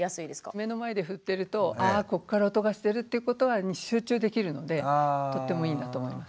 目の前で振ってるとあこっから音がしてるっていうことに集中できるのでとってもいいなと思います。